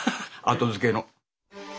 後付けの。